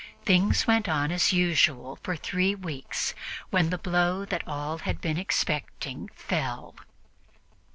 Things went on as usual for three weeks, when the blow that all had been expecting fell.